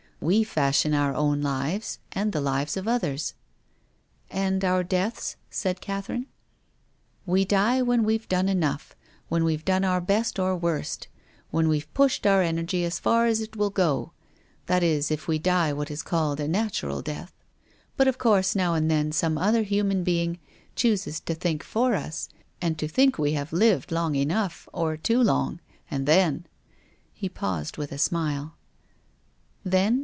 We fashion our own lives and the lives of others." " And our deaths ?" said Catherine. " We die when we've done enough, when we've done our best or worst, when we've pushed our energy as far as it will go — that is, if we die what is called a natural death. But of course now and then some other human being chooses to think for us, and to think we have lived long enough or too long. And then " He paused with a smile. " Then